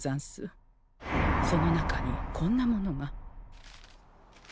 その中にこんなものが。